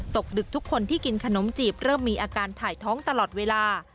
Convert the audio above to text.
ดึกทุกคนที่กินขนมจีบเริ่มมีอาการถ่ายท้องตลอดเวลา